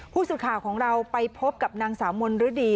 ผู้สื่อข่าวของเราไปพบกับนางสาวมนฤดี